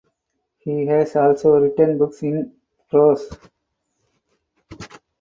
He has also written books in prose.